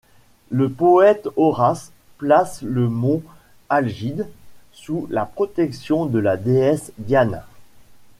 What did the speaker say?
Le poète Horace place le mont Algide sous la protection de la déesse Diane.